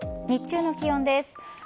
日中の気温です。